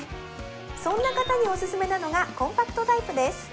そんな方におすすめなのがコンパクトタイプです